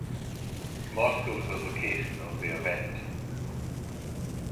Moscow was the location of the event.